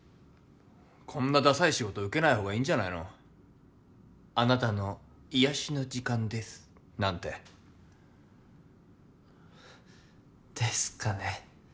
こんなダサい仕事受けないほうがいいんじゃないの「あなたの癒やしの時間です」なんてですかね